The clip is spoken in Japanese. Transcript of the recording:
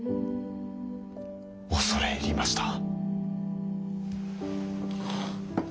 恐れ入りました。